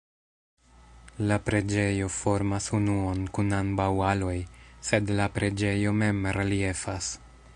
La preĝejo formas unuon kun ambaŭ aloj, sed la preĝejo mem reliefas.